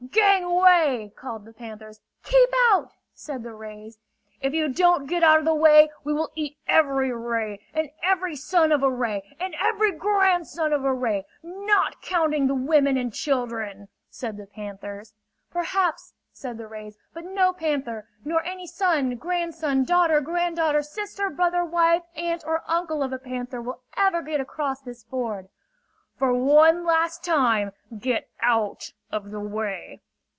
"Gangway!" called the panthers. "Keep out!" said the rays. "If you don't get out of the way, we will eat every ray, and every son of a ray, and every grandson of a ray, not counting the women and children!" said the panthers. "Perhaps," said the rays; "but no panther, nor any son, grandson, daughter, granddaughter, sister, brother, wife, aunt or uncle of a panther will ever get across this ford! "For one last time, get out of the way!"